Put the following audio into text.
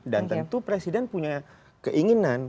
dan tentu presiden punya keinginan